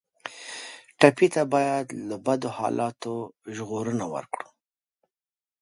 ټپي ته باید له بدو حالاتو ژغورنه ورکړو.